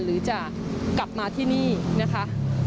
หรือจะกลับมาที่นี่นะคะ